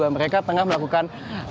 mereka tengah melakukan